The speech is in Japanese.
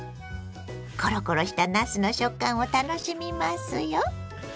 コロコロしたなすの食感を楽しみますよ。